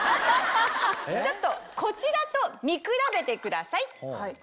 ちょっとこちらと見比べてください。